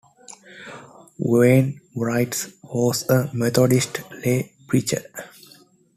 Wainwright was a Methodist lay preacher.